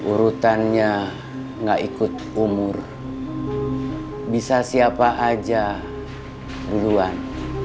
urutannya nggak ikut umur bisa siapa aja duluan